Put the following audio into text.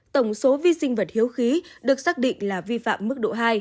tổng số vi sinh vật hiếu khí được xác định là vi phạm mức độ hai